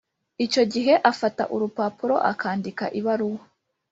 icyo gihe afata urupapuro akandika ibaruwa